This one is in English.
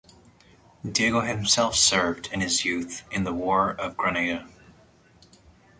Diego himself served in his youth in the war of Granada.